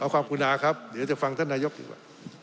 ขอบคุณคุณอาครับเดี๋ยวจะฟังท่านนายกดีกว่า